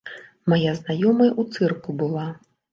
Мая знаёмая ў цырку была.